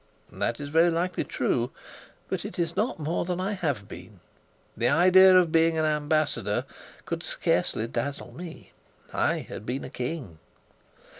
That is very likely true, but it is not more than I have been. The idea of being an ambassador could scarcely dazzle me. I had been a king!